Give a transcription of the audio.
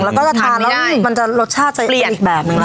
แล้วก็จะทานแล้วมันจะรสชาติจะอีกแบบหนึ่งนะ